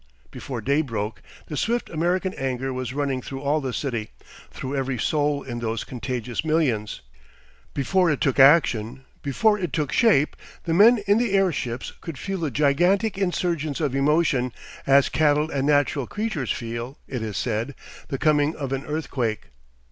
Before day broke the swift American anger was running through all the city, through every soul in those contagious millions. Before it took action, before it took shape, the men in the airships could feel the gigantic insurgence of emotion, as cattle and natural creatures feel, it is said, the coming of an earthquake.